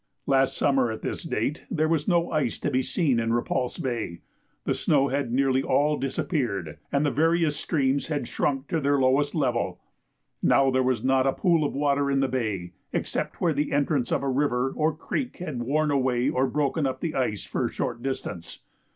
Last summer at this date there was no ice to be seen in Repulse Bay; the snow had nearly all disappeared, and the various streams had shrunk to their lowest level. Now there was not a pool of water in the bay, except where the entrance of a river or creek had worn away or broken up the ice for a short distance.